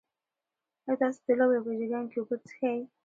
ایا تاسي د لوبې په جریان کې اوبه څښئ؟